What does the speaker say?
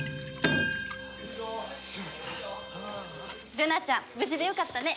ルナちゃん無事でよかったね！